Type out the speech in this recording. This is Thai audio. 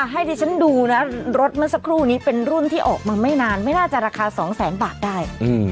ให้ดิฉันดูนะรถเมื่อสักครู่นี้เป็นรุ่นที่ออกมาไม่นานไม่น่าจะราคาสองแสนบาทได้